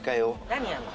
何やんの？